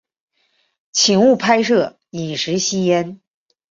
请勿摄影、饮食、吸烟